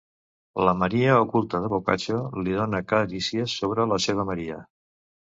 La Maria oculta de Boccaccio li dóna clarícies sobre la seva Maria.